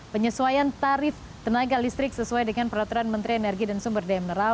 penyesuaian tarif tenaga listrik sesuai dengan peraturan menteri energi dan sumber daya mineral